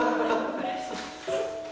うれしい。